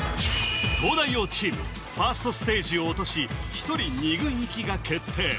東大王チームファーストステージを落とし１人２軍行きが決定